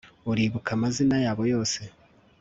uribuka amazina yabo yose